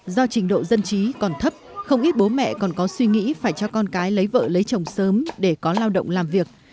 do trình độ dân trí còn thấp không ít bố mẹ còn có suy nghĩ phải cho con cái lấy vợ lấy chồng sớm để có lao động làm việc